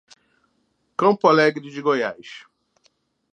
Campo Alegre de Goiás